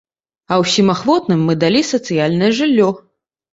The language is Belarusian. А ўсім ахвотным мы далі сацыяльнае жыллё!